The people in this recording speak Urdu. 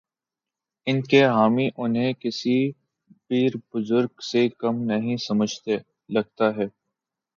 ان کے حامی انہیں کسی پیر بزرگ سے کم نہیں سمجھتے، لگتا ہے۔